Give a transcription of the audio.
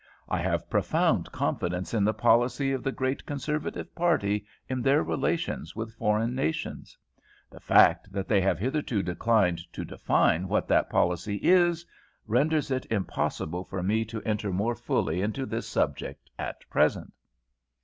"I have profound confidence in the policy of the great Conservative party in their relations with foreign nations. The fact that they have hitherto declined to define what that policy is, renders it impossible for me to enter more fully into this subject at present.